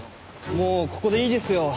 もうここでいいですよ。